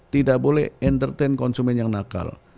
tidak boleh entertain konsumen yang nakal